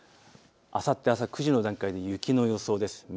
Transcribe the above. あさって朝９時の段階で雪の予想です。